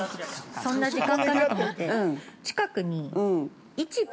◆そんな時間かなと思って近くに市場◆